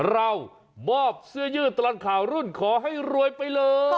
เรามอบเสื้อยืดตลอดข่าวรุ่นขอให้รวยไปเลย